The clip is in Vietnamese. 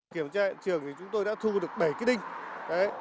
kiểm tra hiện trường thì chúng tôi đã thu được bảy cái đinh